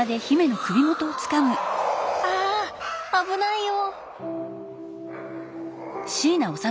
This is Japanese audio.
あ危ないよ！